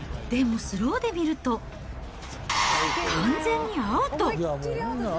でもスローで見ると、完全にアウト。